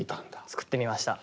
作ってみました。